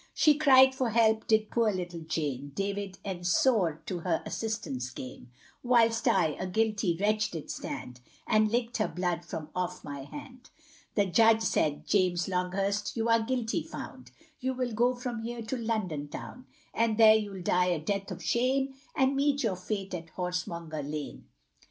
She cried for help, did poor little Jane, David Ensor to her assistance came; Whilst I, a guilty wretch did stand, And licked her blood from off my hand The Judge said, James Longhurst, you are guilty found, You will go from here to London town And there you'll die a death of shame, And meet your fate at Horsemonger lane.